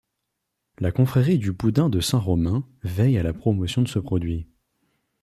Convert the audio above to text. La confrérie du boudin de Saint-Romain veille à la promotion de ce produit.